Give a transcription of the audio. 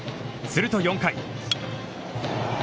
すると、４回。